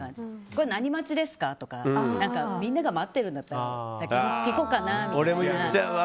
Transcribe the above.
これ何待ちですか？とかみんなが待ってるんだったら先に聞こうかなみたいな。